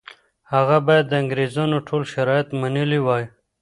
هغه باید د انګریزانو ټول شرایط منلي وای.